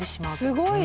すごい。